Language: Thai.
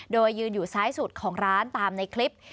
โดยยืนอยู่ซ้ายสุดของร้านตามในคลิป